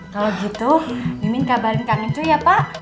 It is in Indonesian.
kalau gitu mimin kabarin kangen cuy ya pak